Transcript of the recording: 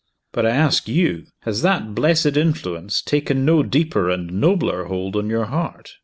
But I ask You, has that blessed influence taken no deeper and nobler hold on your heart?